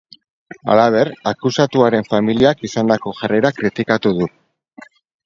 Halaber, akusatuaren familiak izandako jarrera kritikatu du.